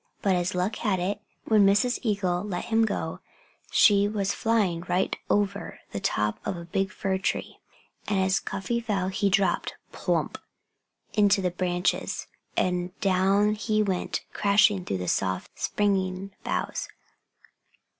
But as luck had it, when Mrs. Eagle let him go she was flying right over the top of a big fir tree. And as Cuffy fell, he dropped plump! into the branches, and down he went, crashing through the soft, springing boughs.